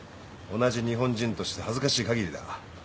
同じ日本人として恥ずかしいかぎりだ。